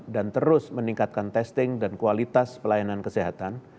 dan terus meningkatkan testing dan kualitas pelayanan kesehatan